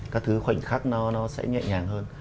các thứ khoảnh khắc nó sẽ nhẹ nhàng hơn